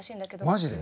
マジで！